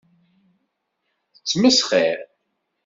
D ttmesxiṛ!